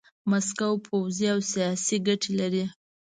ماسکو پوځي او سیاسي ګټې لري.